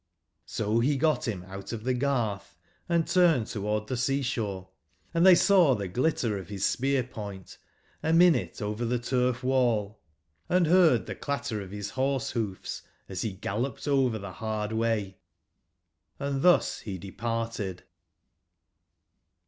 So he got bim out of the garth and turned toward tbe sea/shore, and they saw the glitter of bis spear/ point a minute over the turf wall, and beard tbe clatter of his horse/ hoofs as he galloped over tbe bard way ; and thus he departed.